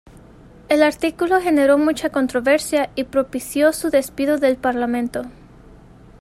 El artículo generó mucha controversia y propició su despido del parlamento.